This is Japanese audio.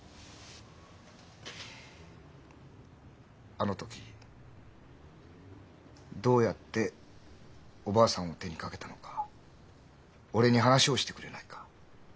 あの時どうやっておばあさんを手にかけたのか俺に話をしてくれないか？